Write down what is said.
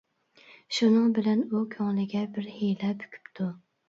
شۇنىڭ بىلەن ئۇ كۆڭلىگە بىر ھىيلە پۈكۈپتۇ.